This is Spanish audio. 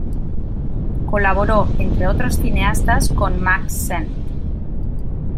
Colaboró, entre otros cineastas, con Mack Sennett.